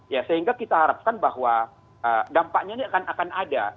ya sehingga kita harapkan bahwa dampaknya ini akan ada